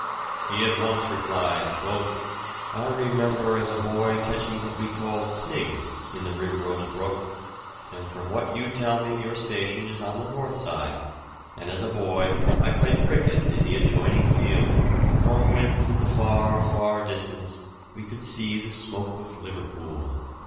He at once replied, "I remember as a boy catching what we called 'snigs' in the Rimrose Brook, and from what you tell me your station is on the north side, and as a boy I played cricket in the adjoining field, from whence in the far, far distance we could see the smoke of Liverpool."